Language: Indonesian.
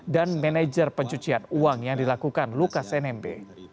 dan manajer pencucian uang yang dilakukan lukas nmb